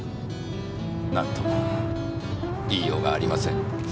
何とも言いようがありません。